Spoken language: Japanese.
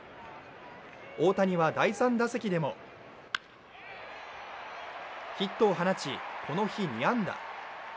大谷は第３打席でもヒットを放ち、この日２安打。